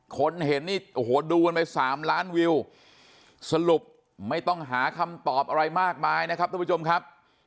คนเห็นนี่โอ้โหดูกันไป๓ล้านวิวสรุปไม่ต้องหาคำตอบอะไรมากมายนะครับทุกผู้ชมครับ